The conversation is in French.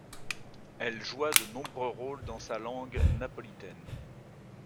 Elle joua de nombreux rôles dans sa langue napolitaine.